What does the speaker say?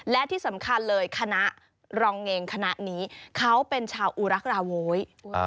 และที่สำคัญเลยคณะรองเงงคณะนี้เขาเป็นชาวอุรักราโวย